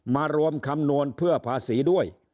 มารวมคำนวณเพื่อภาษีด้วย